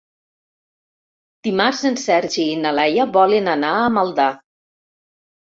Dimarts en Sergi i na Laia volen anar a Maldà.